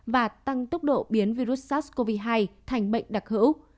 và tăng tốc độ biến virus sars cov hai thành bệnh đặc hữu